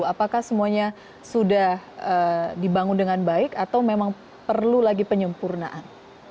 apakah semuanya sudah dibangun dengan baik atau memang perlu lagi penyempurnaan